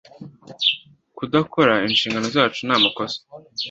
Kudakora inshingano zacu ni amakosa